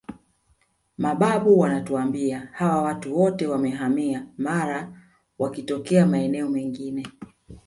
Mababu wanatuambia hawa watu wote wamehamia Mara wakitokea maeneo mengine